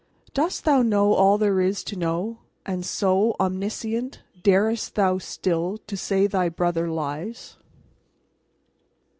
Dost thou know all there is to know, and so, Omniscient, Darest thou still to say thy brother lies?